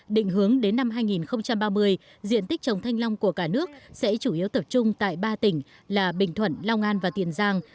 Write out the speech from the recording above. định hướng đến năm hai nghìn ba mươi diện tích trồng thanh long của cả nước sẽ chủ yếu tập trung tại ba tỉnh là bình thuận long an và tiền giang